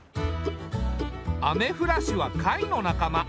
アメフラシは貝の仲間。